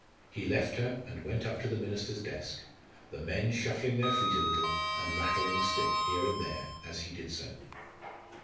He left her and went up to the minister's desk, the men shuffling their feet a little, and rattling a stick here and there as he did so.